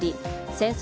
戦争